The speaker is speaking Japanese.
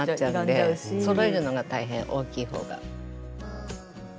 そろえるのが大変大きい方が。